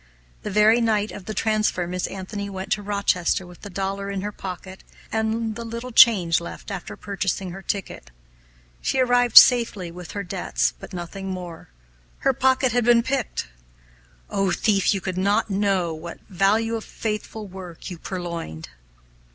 The very night of the transfer Miss Anthony went to Rochester with the dollar in her pocket, and the little change left after purchasing her ticket. She arrived safely with her debts, but nothing more her pocket had been picked! Oh, thief, could you but know what value of faithful work you purloined!